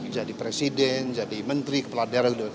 jadi presiden jadi menteri kepala daerah